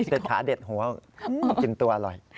แต่ขาเด็ดหัวกินตัวอร่อย